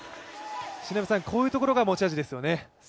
こういうところが持ち味ですよね？